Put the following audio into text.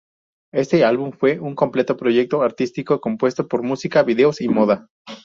Este álbum fue un completo proyecto artístico, compuesto por música, videos y moda.